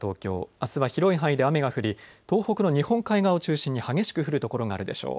あすは広い範囲で雨が降り東北の日本海側を中心に激しく降る所があるでしょう。